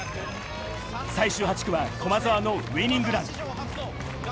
最終８区は駒澤のウイニングラン。